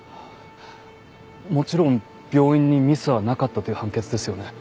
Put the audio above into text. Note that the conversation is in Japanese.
もちろん病院にミスはなかったという判決ですよね？